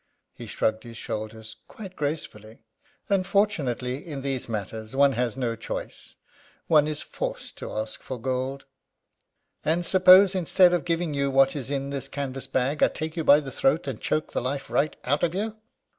He shrugged his shoulders quite gracefully. "Unfortunately, in these matters one has no choice one is forced to ask for gold." "And suppose, instead of giving you what is in this canvas bag, I take you by the throat and choke the life right out of you?"